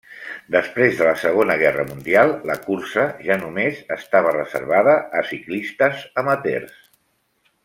Després de la Segona Guerra Mundial la cursa ja només estava reservada a ciclistes amateurs.